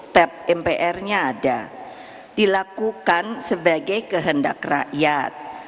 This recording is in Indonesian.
tap mpr nya ada dilakukan sebagai kehendak rakyat